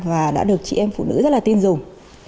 và đã được chị em phụ nữ rất là tin dùng